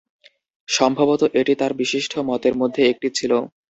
সম্ভবত এটি তার বিশিষ্ট মতের মধ্যে একটি ছিল।